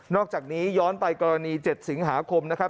อกจากนี้ย้อนไปกรณี๗สิงหาคมนะครับ